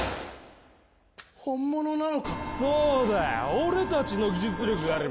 ・俺たちの技術力があれば。